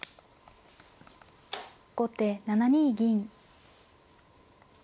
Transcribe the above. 後手７二銀。